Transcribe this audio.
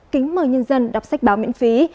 kính mời nhân dân đọc sách báo miễn phí